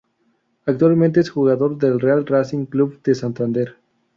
Actualmente es jugador del Real Racing Club de Santander.